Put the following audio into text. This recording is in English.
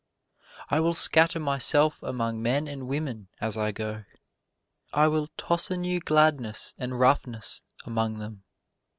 I will scatter myself among men and women as I go, I will toss a new gladness and roughness among them.